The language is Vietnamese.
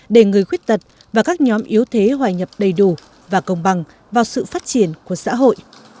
để người khuyết tật và các nhóm yếu thế hoài nhập đầy đủ và công bằng vào sự phát triển của xã hội